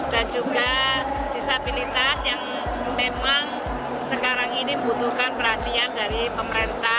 dan juga disabilitas yang memang sekarang ini butuhkan perhatian dari pemerintah